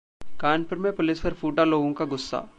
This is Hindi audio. कानपुर में पुलिस पर फूटा लोगों का गुस्सा